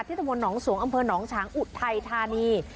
ตะมนตหนองสวงอำเภอหนองฉางอุทัยธานี